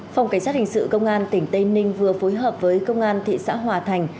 phòng cảnh sát hình sự công an tỉnh tây ninh vừa phối hợp với công an thị xã hòa thành